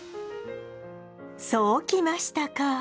そうきましたか！